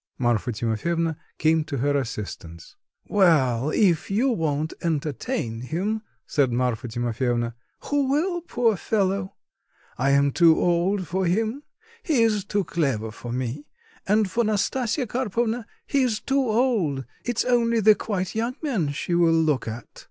Marfa Timofyevna came to her assistance. "Well, if you won't entertain him," said Marfa Timofyevna, "who will, poor fellow? I am too old for him, he is too clever for me, and for Nastasya Karpovna he's too old, it's only the quite young men she will look at."